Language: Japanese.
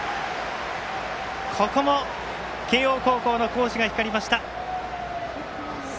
ここも慶応高校の好守が光りました。